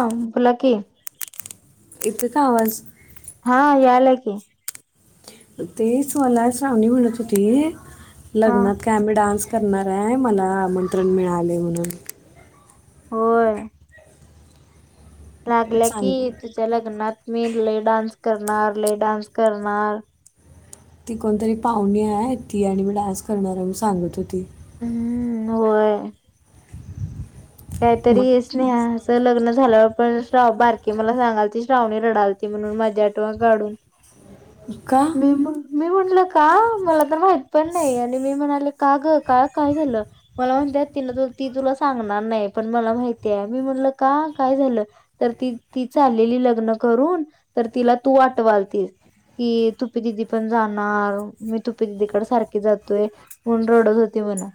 ह बोला कि इथे का आवाज हा याला की तेचवाला श्रावणी म्हणत होती हा लग्नात कायम्ही डान्स करणार आहे मला आमंत्रण मिळाले म्हणून होय लागल्या की सांगितलं तुझ्या लग्नात मी ले डान्स करणार ले डान्स करणार ती कोणतरी पाहुणी आहे ती आणि मी डान्स करणार आहे म सांगत होती हम्म होय काहीतरी येच मग नाही आ लग्न झाल्यावर पण श्राव बारकीे मला सांगाल त श्रावणी रडालती म्हणून मजा आठव गढून कका मी म्हटलं का मला तर माहित पण नाही आणि मी म्हणाले का ग का काय झालं मला म्हणते तिन त ती तुला सांगणार नाही पण मला माहिती आहे मी म्हणल का काय झालं तर ती ती चाललेली लग्न करून तर तिला तू आटवालतीस कि तुपी दिदी पण जाणार मी तुपी दिदीकड सारखी जातोय म्हणून रडत होती म्हणा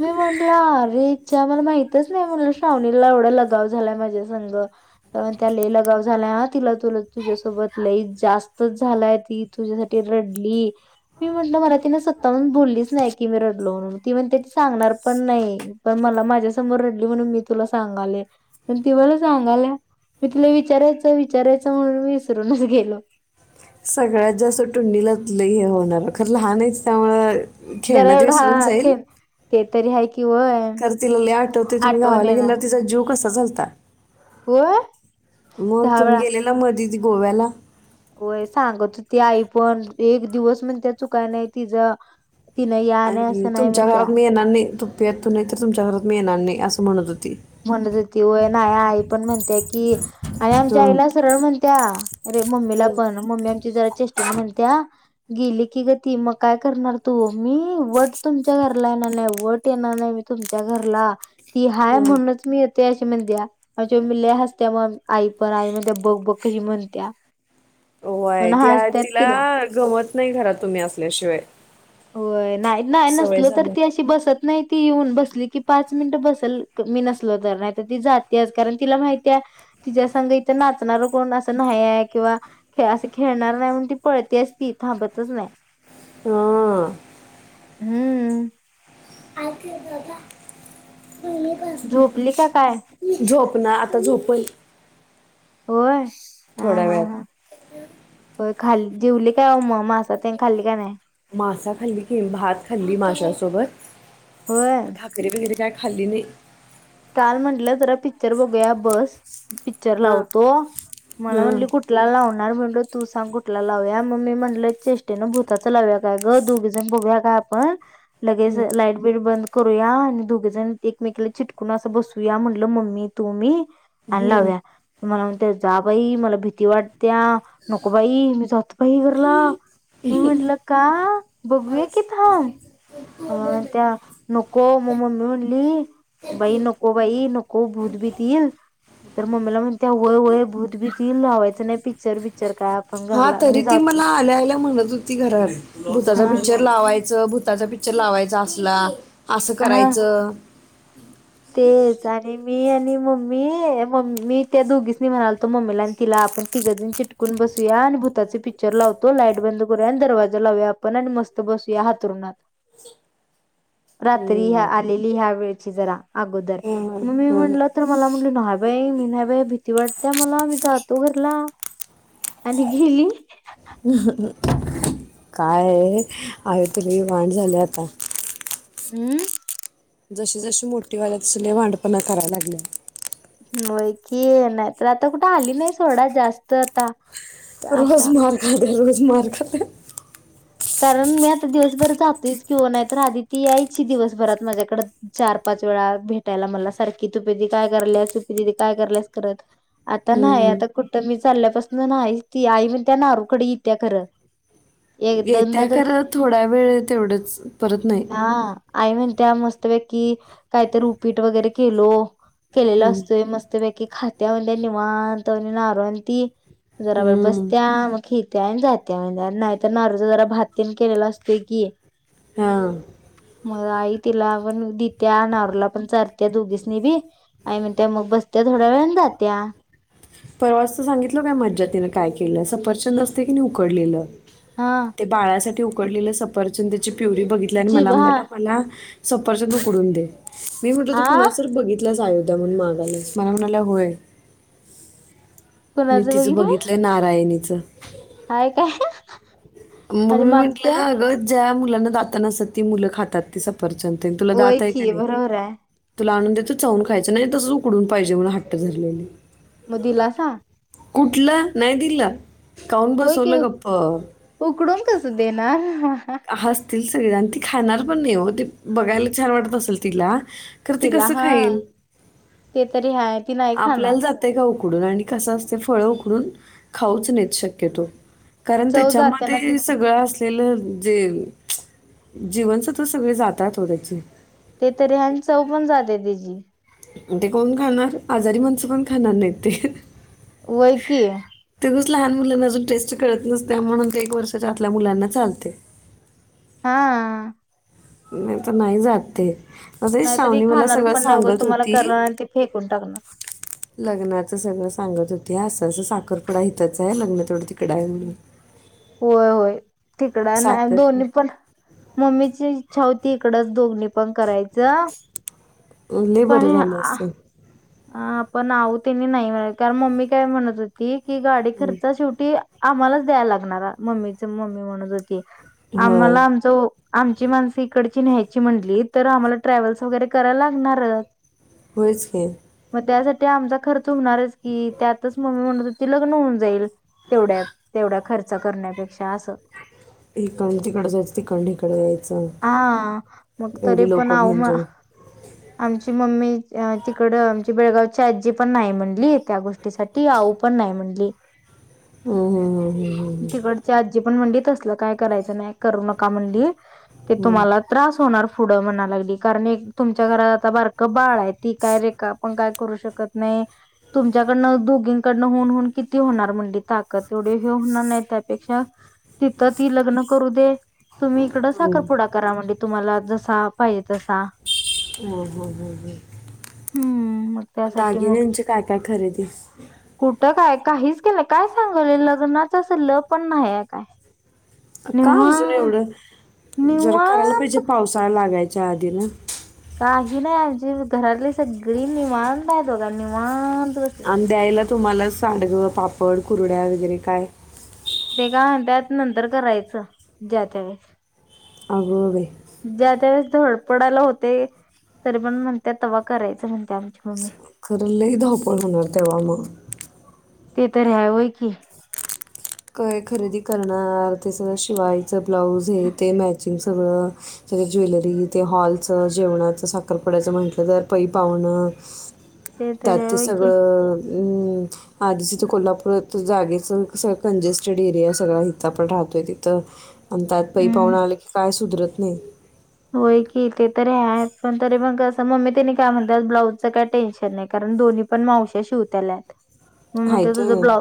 मी म्हटलं रे ति मला माहितच नाही म्हणलं श्रावणीला एवढा लगाव झालाय माझ्या संघण त्या लई लगाव झालाय ह तिला तुला तुझ्यासोबत लई जास्तच झालाय ती तुझ्यासाठी रडली मी म्हटल मला तिने सत्ता म्हण बोललीच नाही की मी रडलो म्हणून ती म्हण ती सांगणार पण नाही पण मला माझ्या समोर रडली म्हणून मी तुला सांगाले प ती मला सांगाल्या मी तुला विचारायचं विचारायचं म्हणूनी विसरूनच गेलो सगळ्यात जास्त टुंडीला ल हे होणार खरं लहान आहेच त्यामु जरा खेळण्यात एवढा विसरून हा जाईल खेळ ते तरी हाय की वय तर तिला ल आठवते तुम्ही आठवण गावाला गेल तिचा जीव कसा चालता हो मग तुम्ही गेलेला मध गोव्याला होय सांगत ती आई पण एक दिवस म्हण त्या चुकाय नाही तिच आणि तुमच्या घरात मी येणार नाही तेतो नाही तर तुमच्या घरात म मि येणार नाही असं म्हणत होती म्हणत होती य ना आई पण म्हणतेय की आणि आमच्या हम्म. आईला सरळ म्हणत्या अरे मम्मीला हम्म पण मम्मी आमची जरा चेष्टेन म्हणत्या गेली की गती मग काय करणार तू मी वट तुमच्या घरला येणार नाही वट येणार नाही मी तुमच्या घरला ती हाय हम्म. म्हणून मी यते अशी म्हण द्या आम मममी ल हसत्या मग आई पण आई म्हणत्या बघ बघ कशी म्हणत्या होय म्हणून ती हसत्यात तिला गमत नाही घरात तुम्ही असल्याशिवाय हो नाही नाही सवय नसलो तर झाल्या ती अशी बसत नाही ती येऊन बसली कि पाच मिनट बसल मी नसलो तर नाही तर ती जाते कारण तिला माहितीय तिच्या संग इथं नाचणार कोण असं नाही आहे किंवा असं खेळणार नाही म्हण ती पळतेस ती थांबतच नाही हा हम्म ह दता झोपली का काय झोप ना आता झोप होय हा थोड्या हा वेळ जेवले काय ओ मग मासा तेन खाल्ली का नाही मासा खाल्ली कि भात खाल्ली मासा होय सोबत भाकरी भिकरी काय खाल्लि नाही काल म्हटलं जरा पिक्चर बघूया बस पिक्चर हा लावतो मला हा म्हंटली कुठला लावण णार म्हणल तू सांग कुठला लावूया मग मी म्हटलं चेष्टेन भूताचं लावुया काय ग दोघीजण बघुया का आपण लगेच हम्म लाइट बीड बंद. करूया आणि दोघे जण एकमेकला चिट कुणा असं बसूया म्हटलं मम्मी तुम्ही आण हम्म. लावूया जा बाई मला भीती वाट त्या नको बाई मी जातो बाई घरला! मी म्हटल का? बघूया की थांब त्या नको मग मम्मी म्हणली. बाई नको बाई नको भूत बिती ईल तर मम्मीला म्हणते होय होय भूत बित ईल लावायचं नाही पिक्चर बिक्चर काय. आपण हा घरला तरी मी ती जातो मला आल्या-आल्या म्हणत होती घरात, भूताचा हा पिक्चर लावायचं भूताचा पिक्च लावायचा असला असं हा करायचं [unintelligible] तेच आणि मी आणि मम्मी म् मी त्या दोघीसनी म्हणालतो मम्मीला आणि तिला आपण तिघंजण चिटकून बसूया आणि भूताचे पिक्चर लावतो लाइट बंद करूया आणि दरवाजा लावूया आपण आणि मस्त बसूया हातरुणात रात्री ह्या हम्म, आलेली ह्या वेळ छि जरा, अगोदर हम्म, मग मी हम्म. म्हणलं तर मला म्हटलं नायबाई मी नायबाई भीती वाटते मला मी जातो ला आणि गेली काय आय तरी वांड झाल्या आता. हम्म, जशी-जशी मोठी वाल्यात तस लयी वांडपणा करायला लागल्या व्हय कि नाही तर आता कुठे आली नाही सोडा जास्त आता आता रोजमार खात ते रोज मार खाते कारण मी आता दिवसभर जातोच किंवा नाहीत आधी यायची दिवसभरात माझ्याकड चार-पाच वेळा भेटायला मला सारखी तू पीदि काय करल्यास पीदी काय करल्यास करत आता नाही हम्म. आता कुठं मी चाल्यापासून नाहीच कि आई म्हणत्या नारूकडे येत्या खरं एक येत, दोनदा त्या तर खरं थोडा वेळ तेवढंच परत नाही. हा आई म्हणत्या मस्तपैकी कायतरी रुपीट वगैरे केलो केलेला हम्म, असतोय मस्त पेकी की खात्या म्ह निवांतवणे नारो आणि ती जरा वळ हम्म. बसत्या मग खि. त्यांनी जात्या मग नाही तर नारो. जरा भातन केलेला असत की हां, मग आई तिला पण दित्या अनवरला पण चरत्या दोघीस नि बी आई म्हण त्या मग बसत्या थोड्या वेळ जात्या. परवाच तर सांगितल काय मज्जा तिने काय केलं सफरचंद असते की नाही उकडलेलं हा ते बाळासाठी उकडलेलं सफरचंद प्युरी बघितली आणि मला जीभ हा म्हणाला मला सफरचंद उकडून दे. मी म्हणतो तो आ कुणा सर बघितला जाय एक म्हणून मागालास मला म्हणाला होय. मी तिचं बघितलं नारायणी च हाय काय मग आणि मी मागत्या म्हटलं अगं ज्या मु दाताना त मुलं खातात ती च तुला होय दातय का की नाही बरोबर आहे तुला आनंदेत चावून खायचं नाही तसच उकडून पाहिजे मला हट्टधरले. म दिलासा. कुठला नाही दिला. खाऊन बसवलं गप्प कस देणार. हासतील. सगज [unintelligible] ती खाणार पण नाही हो ते बघायला छान वाटत असेल तिला खरं ती तिला कसं हा खाईल ते तरी हा आपल्याला जातेय का. उकडून आणि कस असते फळ उकडून खाऊच नेत शक्यतो. कारण चव जाते ना त्याच्यामध्ये तिची सगळं असलेलं. जे जीवनसत्व सगळे जातात हो त्याचे ते तररी ह्यां चव पण जाते त्याची ते कोण खाणार आजारी माणसं पण खाणार नाहीत ते व्हयं की ते कसं लहान मुलांना अजून टेस्ट कळत नसत म्हणून ते एक वर्षाच्या आतल्या मुलांना चालते. हा नाही तर नाही जात ते असं नाहीतरी श्रावणी मला खाणार सगळं पण नाही तर सांगत तुम्हाला होती करणार ते आणि फेकून टाकणार. लग्नाचं सगळं सांगत होती असं असं साखरपुडा हितच आहे लग्न तेवढं तिकडं आहे म्हणून होय होय. तिकडं नाही साखर दोन्ही पण मम्मीची इच्छा होती दोन्ही पण पण करायचं लय बरं पण झालं आ असं हा आपण आहो त्यांनी नाही म्हणाले कारण मम्मी काय म्हणत होती की गाडी हम्म. खर्च शेवटी आम्हालाच द्यायला लागणाराय मम्मीचं मम्मी म्हणत होती होय आम्हाला आमचं हो आमची माणसं इकडची न्यायची म्हटली तर आम्हाला ट्रॅव्हल्स वगैरे करायला लागणारचं होयच की. त्यासाठी आमचा खर्च हुणारच की त्यातच मम्मी म्हणत होती लग्न होऊन जाईल तेवढ्यात तेवढ्या खर्च करण्यापेक्षा असं. इकडणं तिकडं जायचं तिकडनं हिकडं यायचं हा मग तरी एवढी पण लोकं आहो घेऊन म जाऊन. आमची मम्मी ती तकडं आमची बेळगावची आज्जी पण नाही म्हणली त्या गोष्टीसाठी आऊ पण नाही म्हणली. हम्म हम् हम्म तिकडची आजी पण म्हणली हम् तसलं काय करायचं नाही करू नका म्हणली- ते तुम्हाला त्रास होणार- पुुढं म्हणा लागली कारण एक तुमच्या घरात आता बारकं बाळ आहे ती काय रे का पण काय करू शकत नाही तुमच्याकडनं दोघींकडन हुन हुन किती होणार म्हंटली ताकद एवढी हे होणार नाही त्यापेक्षा तिथं ती लग्न करू दे तुम्ही इकडं साखरपुडा करा म्हणली तुम्हाला जसा पाहिजे तसा. होय होय होय होय. हम्म मग त्यासाठी मग दागिन्यांची काय काय खरेदी. कुठं काय काहीच केलं नाही काय सांगलोय लग्नाचा अस ल पण नाही आता. का अजून एवढं जरा करायला निवांत पाहिजे पावसाळा लागाय च्या आधी ना. काही नाही आज्जी घरातली सगळी निवांत आहेत बघा निवांत. बसले. आण द्यायला तुम्हाला साडगं पापड कुरड्या वगैरे काय ते काय म्हणत्यात नंतर करायचं ज्यात्या वेळेस. अगं बाई ज्या त्या वेळेस थोडं पडायला होते तरी पण म्हणत्यात तवा करायचं म्हणत्या आमच्या खरं लई धावपळ हुनार तेवा मग. ते तरी हाय व्हय की. काय खरेदी करणार ते सगळं शिवायच ब्लाऊज हे ते मॅचिंग सगळं त्याच्या ज्वेलरी ते हॉलचं जेवणाचं साखरपुड्याचं म्हटलं तर पै पाहुणं तर त्यात हाय ते होय की सगळं म् आधीसच कोल्हापूरात जागेचं कसं कंजेस्टेड एरिया सगळा हिथ आपण राहतोय तिथं आणि त्यात प पाहु आलं की काय सुधरत नाही होय की ते तर ह्या पण तरी मग असं मम्मी त्याने काय म्हणतात ब्लाउजचं काय टेन्शन नाही कारण दोन्ही पण मावश्या शिवताल्या आहेत मग म आहे ते तुझं तर ब्ला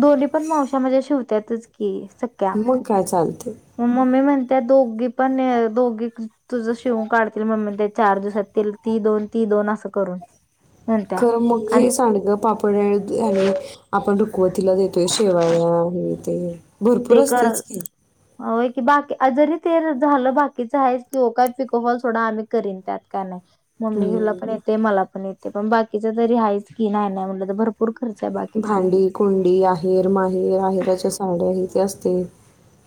दोन्ही पण मावश्या म्हणे शिवत्यातच की सक्या मग काय चालते मममी म्हणती त्या दोग पन दोग तुझं शिव काढतील मग म्हणजे चार दिवसात ते ती दोन ती दोन असं करून म्हणत्या खर मग आणि हे सांड ग पापड आणि आपण वतीला देतोय शेवाळ हे ते भरपूर ते असतेच कराल की हो की बाकी जरी ते झालं बाकीच आहे की काय पिकोहल सोडा आम्ही करीन त्यात काय नाही मम्मी जला हम्म. पण येते मला पण येते ते पण बाकीच तरी हाच किन नाहीट तर भरपूर खर्च आहे बाकीचा भांडी कुंडी आहेर माहेर आहेराच्या साड्या इथ असत ते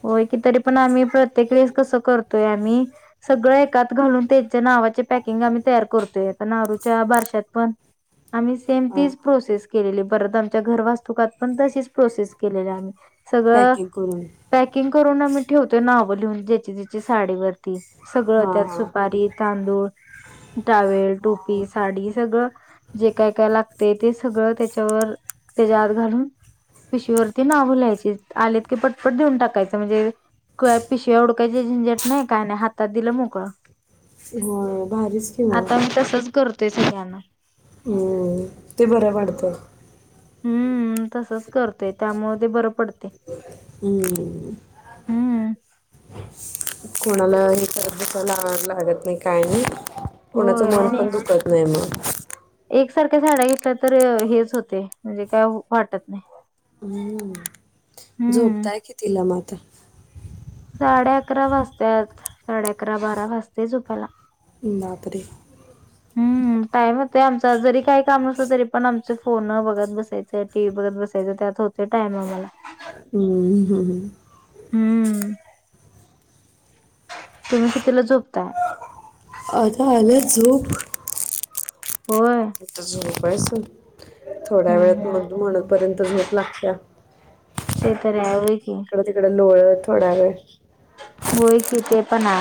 होय की तरी पण आम्ही प्रत्येक वेळेस कसं करतोय आम्ही सगळं एात घालून त्यांच्या नावाचे पॅकिंग आम्ही तयार करतोय नारूच्या बारशात पण आमही सेम हा तीच प्रोसेस परत आमच्या घर वास्तुक पण तच प्रोसेस केलेली आम् पॅकिंग करून पॅकिंग करून ना मी ठेवते ना ना ब लिहून ज्याची ज्याची साडी वरती सगळं हा त्यात हा सुपारी तांदूळ टावेल टोपी साडी सगळं जे काय काय लाग ते ते सगळं त्याच्यावर त्याच्या आत घालून पिशीवरती नावे लिहायची आलेत की पटकान पट देऊन टाकायचं म्हणजे काय पिशव्या अडकवायची झिंजट नाही काय नाही हातात दिलं मोकळं हो भारीच कि मग तेच याना हम्म ते बर पडत हम्म तसच करतंय त्यामुळे ते बरं पडत हम्म हम्म कोणाला हे क बुसायला आणायला लागत नाही काय नाही कोणाचं होय मन आणि पण दुखत नाही मग एकसारख्या साड्या घेतल्या तर हेच होते म्हणजे काय वाटत नाही हम् हम्म झोपताय की तिला मग आता. साडे अकरा वाजतात, साडे अकरा, बारा वाजतात झोपायला. बापरे. हम्म टाईमच. ते आमच जरी काही काम नसले तर पण आमचच. फोन बघत बसायचं टीव्ही बघत बसायचं त्यात होत हम्म हम. हम्म हम. तुम्ही कितीला झोपताय. आता आल झोप. होय इथं झोप. पसून थोड्या हम्म वेळात हम्म मग म्हणे पर्यंत झोप लागत्या. ते तर आहे की इकडं तिकडं लोळत थोडा वेळ होय की ते पणा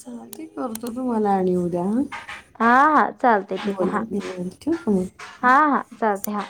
चला ते करते तुम्हाला आणि उद्या ह. हा हा चालते ठीक आहे हा निवांत ठेवू का मग हा हा चालते हा.